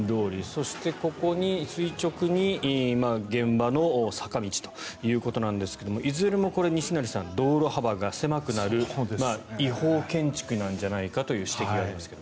そして、ここに垂直に現場の坂道ということですがいずれも西成さん道路幅が狭くなる違法建築なんじゃないかという指摘がありますが。